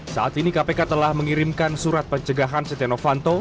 saat ini kpk telah mengirimkan surat pencegahan setia novanto